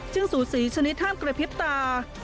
ซึ่งสู่ศรีชนิดห้ามกระพริบตา